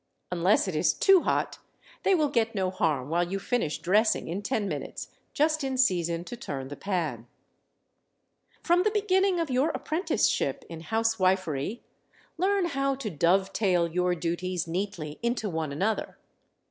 Unless it is too hot, they will get no harm while you finish dressing in ten minutes, just in season to turn the pan. From the beginning of your apprenticeship in housewifery, learn how to "dovetail" your duties neatly into one another.